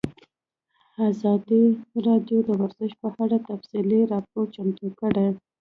ازادي راډیو د ورزش په اړه تفصیلي راپور چمتو کړی.